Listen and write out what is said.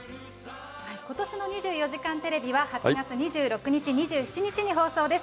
ことしの２４時間テレビは８月２６日、２７日に放送です。